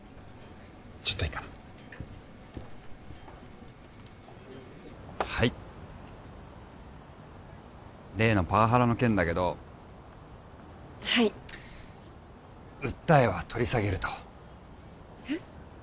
ちょっといいかなはい例のパワハラの件だけどはい訴えは取り下げるとえっ？